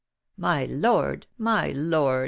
"My lord! my lord!